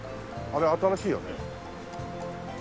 あれ新しいよね。